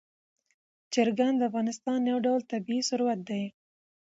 چرګان د افغانستان یو ډول طبعي ثروت دی.